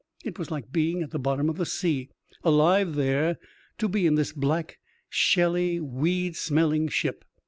It was like being at the bottom of the sea, alive there, to be in this black, shelly, weed smelling ship.